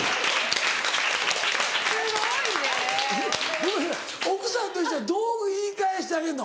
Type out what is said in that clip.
・すごいね・ごめんなさい奥さんとしてはどう言い返してあげんの？